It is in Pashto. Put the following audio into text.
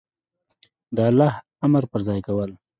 د الله امر په ځای کول